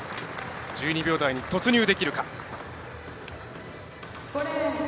１２秒台に突入できるか。